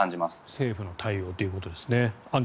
政府の対応ということですね。